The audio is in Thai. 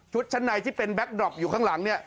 ชั้นในที่เป็นแก๊กดรอปอยู่ข้างหลังเนี่ย